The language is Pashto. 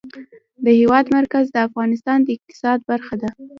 د هېواد مرکز د افغانستان د اقتصاد برخه ده.